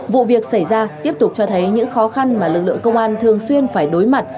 vụ việc xảy ra tiếp tục cho thấy những khó khăn mà lực lượng công an thường xuyên phải đối mặt